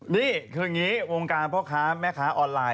นี่คืออย่างนี้วงการพ่อค้าแม่ค้าออนไลน